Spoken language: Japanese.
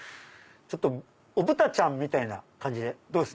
お豚ちゃんみたいな感じでどうです？